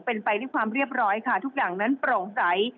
เป็นไปที่ความเรียบร้อยค่ะทุกอย่างปีอะไร